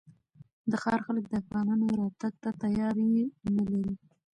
د ښار خلک د افغانانو راتګ ته تیاری نه لري.